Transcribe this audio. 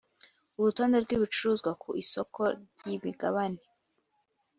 urutonde rw’ibicuruzwa ku isoko ry imigabane